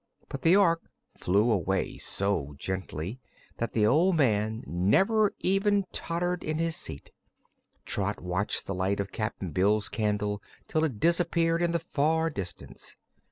But the Ork flew away so gently that the old man never even tottered in his seat. Trot watched the light of Cap'n Bill's candle till it disappeared in the far distance.